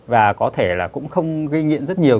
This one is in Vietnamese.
và có thể là cũng không ghi nghiện rất nhiều